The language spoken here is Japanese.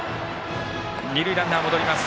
二塁ランナー、戻ります。